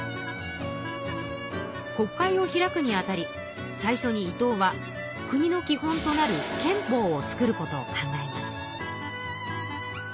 国会を開くにあたり最初に伊藤は国の基本となる憲法を作ることを考えます。